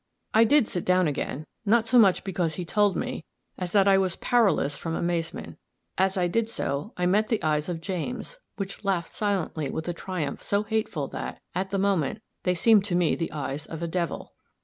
I did sit down again, not so much because he told me, as that I was powerless from amazement; as I did so, I met the eyes of James, which laughed silently with a triumph so hateful that, at the moment, they seemed to me the eyes of a devil.